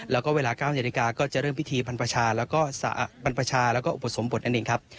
แล้วก็เวลา๙นาทีการก็จะเริ่มพิธีพันธ์ประชาแล้วก็อุปสรมบทนั่นเองครับ